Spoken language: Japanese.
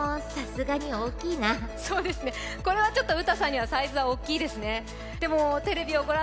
これはちょっとウタさんにはサイズは大きいですね。